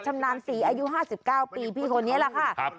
ชำนาญศรีอายุ๕๙ปีพี่คนนี้แหละค่ะ